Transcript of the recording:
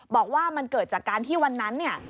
บอกว่ามันเกิดจากการที่วันนั้นเนี่ย